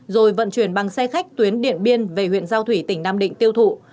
rồi vận chuyển bằng xe khách tuyến điện biên về huyện giao thủy tỉnh nam định tiêu thụ